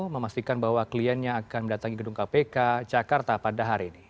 memastikan bahwa kliennya akan mendatangi gedung kpk jakarta pada hari ini